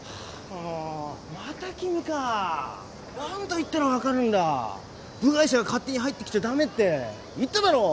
もうまた君か何度言ったら分かるんだ部外者が勝手に入ってきちゃダメって言っただろう！